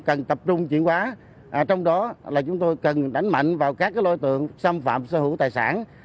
cần tập trung chuyển quá trong đó là chúng tôi cần đánh mạnh vào các lô tượng xâm phạm sở hữu tài sản